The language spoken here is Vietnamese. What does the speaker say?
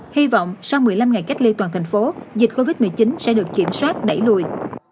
hy vọng sau một mươi năm ngày cách ly toàn thành phố dịch covid một mươi chín sẽ được kiểm soát đẩy lùi